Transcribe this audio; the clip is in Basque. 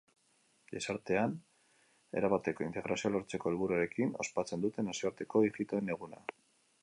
Gizartean erabateko integrazioa lortzeko helburuarekin ospatzen dute nazioarteko ijitoen eguna.